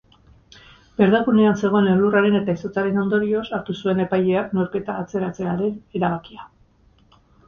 Berdegunean zegoen elurraren eta izotzaren ondorioz hartu zuen epaileak neurketa atzeratzearen erabakia.